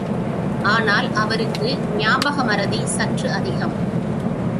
ஆனால், அவருக்கு ஞாபகமறதி சற்று அதிகம்.